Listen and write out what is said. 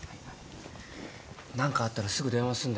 何かあったらすぐ電話すんだよ。